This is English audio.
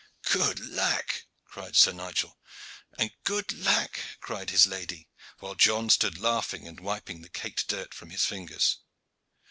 "Good lack!" cried Sir Nigel, and "Good lack!" cried his lady, while John stood laughing and wiping the caked dirt from his fingers.